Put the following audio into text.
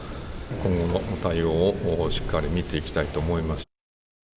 今後の対応をしっかり見ていきたいと思います。